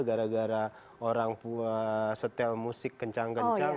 gara gara orang tua setel musik kencang kencang